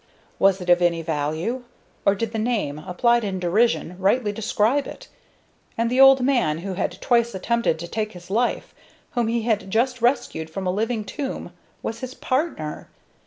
Was it of any value? Or did the name, applied in derision, rightly describe it? And the old man who had twice attempted to take his life, whom he had just rescued from a living tomb, was his partner!